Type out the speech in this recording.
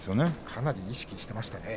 かなり意識していましたね。